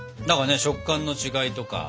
食感の違いとか酸味。